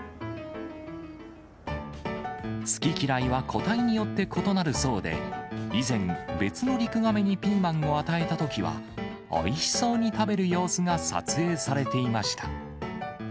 好き嫌いは個体によって異なるそうで、以前、別のリクガメにピーマンを与えたときは、おいしそうに食べる様子が撮影されていました。